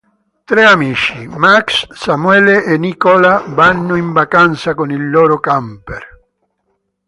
Tre amici: Max, Samuele e Nicola vanno in vacanza con il loro camper.